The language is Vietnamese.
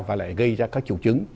và lại gây ra các triệu chứng